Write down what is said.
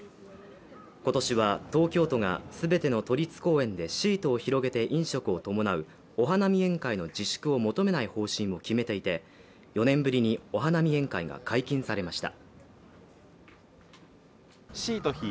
今年は、東京都が全ての都立公園でシートを広げて飲食を伴うお花見宴会の自粛を求めない方針を決めていて４年ぶりにお花見宴会が解禁されました。